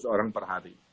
seratus orang per hari